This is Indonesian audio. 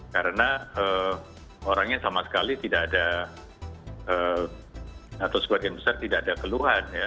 karena orangnya sama sekali tidak ada atau sebagian besar tidak ada keluhan ya